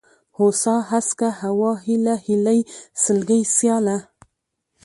هوسا ، هسکه ، هوا ، هېله ، هيلۍ ، سلگۍ ، سياله